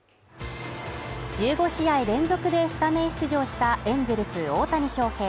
１５試合連続でスタメン出場したエンゼルス大谷翔平